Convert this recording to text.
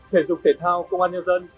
thể dục thể thao công an nhân dân